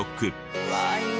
うわあいい！